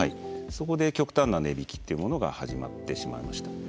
そこで極端な値引きってものが始まってしまいました。